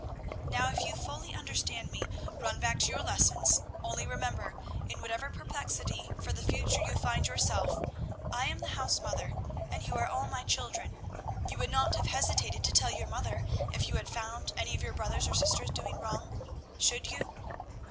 "Now, if you fully understand me, run back to your lessons, only remember, in whatever perplexity for the future you find yourself, I am the house mother, and you are all my children; you would not have hesitated to tell your mother if you had found any of your brothers or sisters doing wrong, should you?"